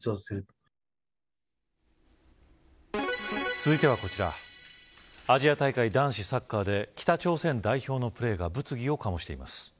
続いてはこちらアジア大会男子サッカーで北朝鮮代表のプレーが物議を醸しています。